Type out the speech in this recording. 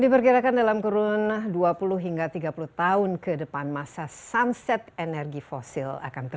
diperkirakan dalam kurun dua puluh hingga tiga puluh tahun ke depan masa sunset energi fosil akan terjadi